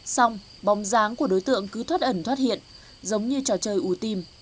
xong bóng dáng của đối tượng cứ thoát ẩn thoát hiện giống như trò chơi ủ tim